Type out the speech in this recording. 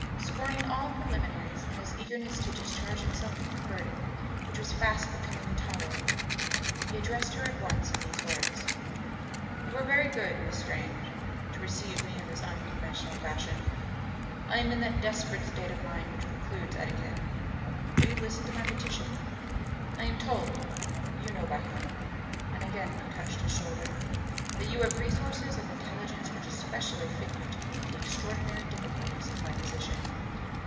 Scorning all preliminaries in his eagerness to discharge himself of a burden which was fast becoming intolerable, he addressed her at once in these words: "You are very good, Miss Strange, to receive me in this unconventional fashion. I am in that desperate state of mind which precludes etiquette. Will you listen to my petition? I am told you know by whom "(and he again touched his shoulder) "that you have resources of intelligence which especially fit you to meet the extraordinary difficulties of my position.